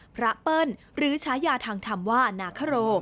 เปิ้ลหรือฉายาทางธรรมว่านาคโร